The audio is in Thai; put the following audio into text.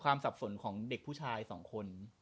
สับสนของเด็กผู้ชายสองคน